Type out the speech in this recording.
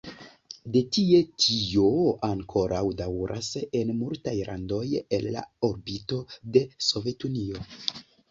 De tie tio ankoraŭ daŭras en multaj landoj el la orbito de Sovetunio.